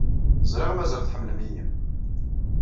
Ẓriɣ mazal tḥemmlem-iyi.